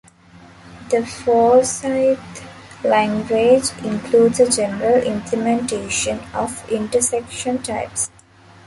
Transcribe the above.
The Forsythe language includes a general implementation of intersection types.